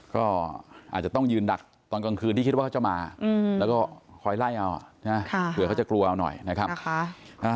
ก็อาจจะต้องยืนดักตอนกลางคืนที่คิดว่าเขาจะมาแล้วก็คอยไล่เอาเผื่อเขาจะกลัวเอาหน่อยนะครับ